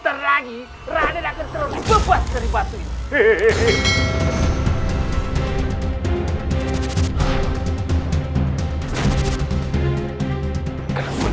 aku juga mendapatkan jelajah raden